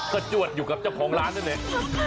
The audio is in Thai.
ก็จวดอยู่กับเจ้าของร้านด้วยเนี่ย